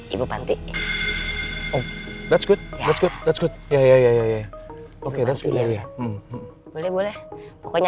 ibu panti oh that's good that's good that's good ya ya ya ya ya ya ya oke oke boleh boleh boleh pokoknya